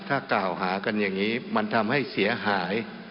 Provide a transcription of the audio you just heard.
ถ้ากล่าวหากันอย่างนี้มันทำให้เสียหาย